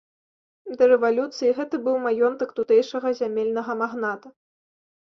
Да рэвалюцыі гэта быў маёнтак тутэйшага зямельнага магната.